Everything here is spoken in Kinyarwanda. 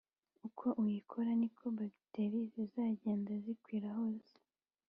uko uyikora niko bagiteri zizagenda zikwira hose